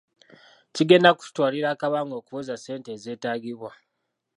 Kigenda kututwalira akabanga okuweza ssente ezeetaagibwa,